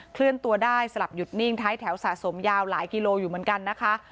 เคลื่อนตัวได้สลับหยุดนิ่งท้ายแถวสะสมยาวหลายกิโลอยู่เหมือนกันนะคะ